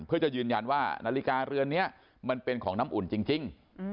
เพื่อจะยืนยันว่านาฬิกาเรือนนี้มันเป็นของน้ำอุ่นจริง